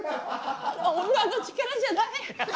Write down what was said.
女の力じゃない。